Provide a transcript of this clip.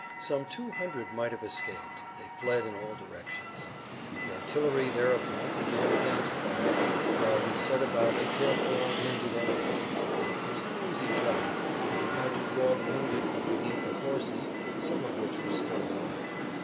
Some two hundred might have escaped; they fled in all directions. The artillery thereupon began again to fire, whilst we set about to care for our wounded enemies. It was no easy job, for we had to draw the wounded from beneath the horses some of which were still alive.